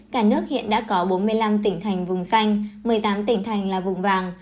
cả nước hiện đã có bốn mươi năm tỉnh thành vùng xanh một mươi tám tỉnh thành là vùng vàng